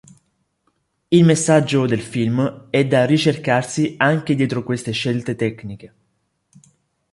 Il messaggio del film è da ricercarsi anche dietro queste scelte tecniche.